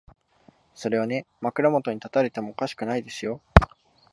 それはね、枕元に立たれてもおかしくないですよ。